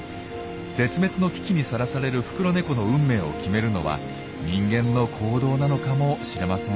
絶滅の危機にさらされるフクロネコの運命を決めるのは人間の行動なのかもしれません。